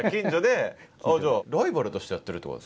あっじゃあライバルとしてやってるってことですか？